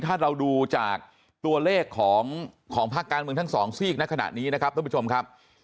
ถ้าเราดูจากตัวเลขของภาคการเมืองทั้งสองซีกในขณะนี้นะครับท่านผู้ชมครับ